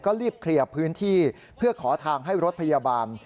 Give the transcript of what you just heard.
ก็รีบเคลียร์พื้นที่เพื่อขอทางให้รถพยาบาล